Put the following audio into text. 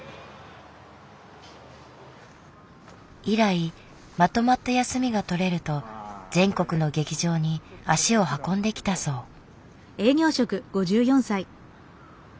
以来まとまった休みが取れると全国の劇場に足を運んできたそう。